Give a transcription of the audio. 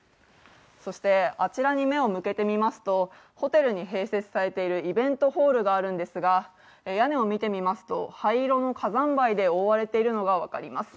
あちらに目を向けてみますと、ホテルに併設されているイベントホールがあるんですが、屋根を見てみますと、灰色の火山灰で覆われているのが分かります。